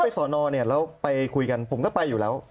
ก็ถ้าสมมติสอนอเราไปคุยกันผมก็ไปอยู่แล้ว